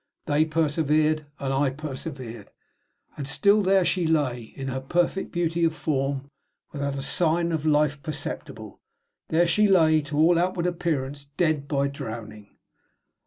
They persevered, and I persevered; and still there she lay, in her perfect beauty of form, without a sign of life perceptible; there she lay, to all outward appearance, dead by drowning.